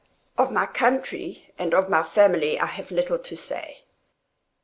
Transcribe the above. Of my country and of my family I have little to say.